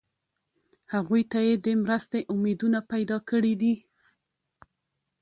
هغوی ته یې د مرستې امیدونه پیدا کړي دي.